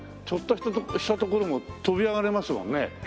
ちょっとした所も跳び上がれますもんね。